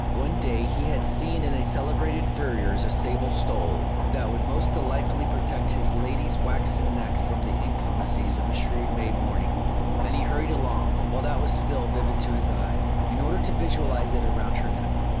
One day he had seen in a celebrated furrier's a sable stole that would most delightfully protect his lady's waxen neck from the inclemencies of a shrewd May morning, and he hurried along, while that was still vivid to his eye, in order to visualize it round her neck.